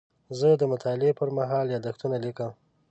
زه د مطالعې پر مهال یادښتونه لیکم.